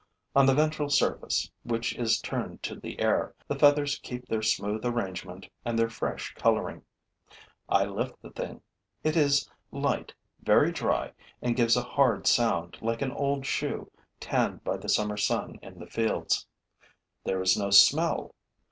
On the ventral surface, which is turned to the air, the feathers keep their smooth arrangement and their fresh coloring. I lift the thing. It is light, very dry and gives a hard sound, like an old shoe tanned by the summer sun in the fields. There is no smell.